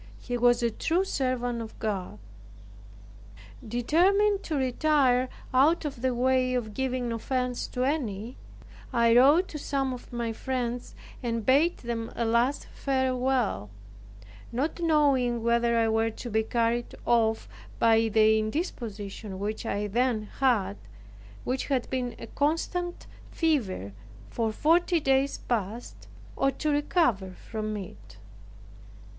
He was a true servant of God. Determined to retire out of the way of giving offense to any, I wrote to some of my friends, and bade them a last farewell; not knowing whether I were to be carried off by the indisposition which I then had, which had been a constant fever for forty days past, or to recover from it.